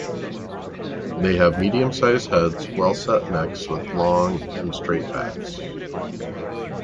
They have medium size heads, well-set necks with long and straight backs.